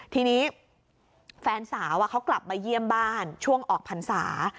ทีนี้แฟนสาวเขากลับมาเยี่ยมบ้านช่วงออกพรรษา